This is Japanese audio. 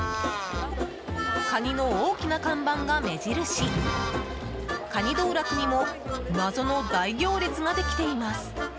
カニの大きな看板が目印かに道楽にも謎の大行列ができています。